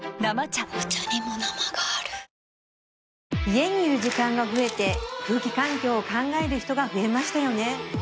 家にいる時間が増えて空気環境を考える人が増えましたよね